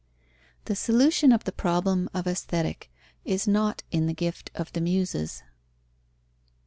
The solution of the problem of Aesthetic is not in the gift of the Muses.